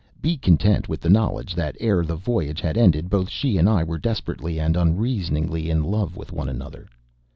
Be content with the knowledge that, ere the voyage had ended, both she and I were desperately and unreasoningly in love with one another.